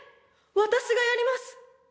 私がやります